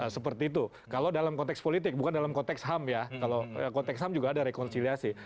seperti itu kalau dalam konteks politik bukan dalam konteks ham ya kalau konteks ham juga ada rekonsiliasi